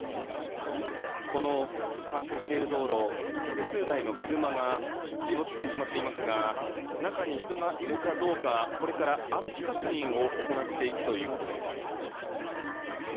この冠水している道路複数台の車が水没してしまっていますが中に人がいるかどうかこれから安否確認を行っていくということです。